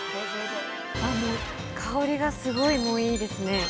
◆あ、もう、香りがすごいもういいですね。